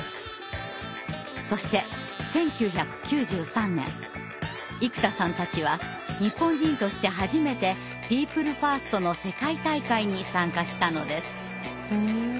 そして１９９３年生田さんたちは日本人として初めてピープルファーストの世界大会に参加したのです。